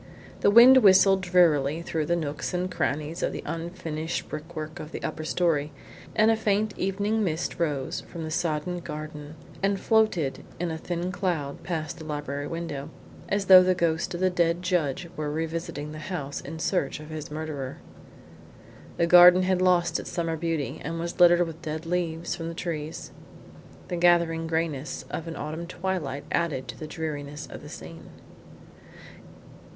The wind whistled drearily through the nooks and crannies of the unfinished brickwork of the upper story, and a faint evening mist rose from the soddened garden and floated in a thin cloud past the library window, as though the ghost of the dead judge were revisiting the house in search of his murderer. The garden had lost its summer beauty and was littered with dead leaves from the trees. The gathering greyness of an autumn twilight added to the dreariness of the scene.